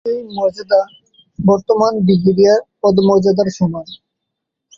এই মর্যাদা বর্তমান ব্রিগেডিয়ার পদমর্যাদার সমান।